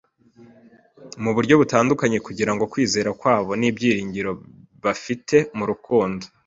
mu buryo butandukanye kugira ngo kwizera kwabo n’ibyiringiro bafite mu Rukundo